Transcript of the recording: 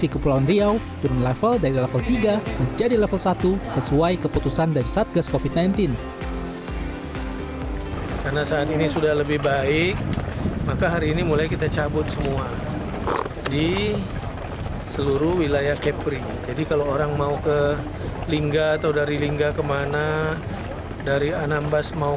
kepulauan riau ansar ahmad resmi mencabut tes antigen sebagai syarat perjalanan antar pulau